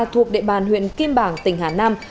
thuộc địa bàn huyện kim bàng tỉnh hà nam